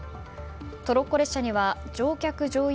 トロッコ列車には乗客・乗員